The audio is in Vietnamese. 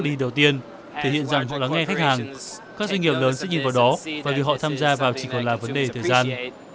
đi đầu tiên thể hiện rằng lắng nghe khách hàng các doanh nghiệp lớn sẽ nhìn vào đó và vì họ tham gia vào chỉ còn là vấn đề thời gian